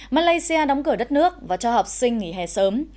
malaysia đóng cửa đất nước và cho học sinh nghỉ hè sớm